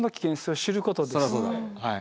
はい。